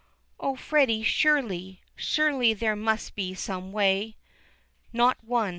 "Oh, Freddy, surely surely there must be some way " "Not one.